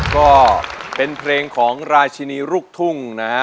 ก็เป็นเพลงของราชินีลูกทุ่งนะฮะ